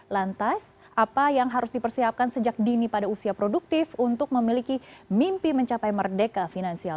lantas apa yang harus dipersiapkan sejak dini pada usia produktif untuk memiliki mimpi mencapai merdeka finansial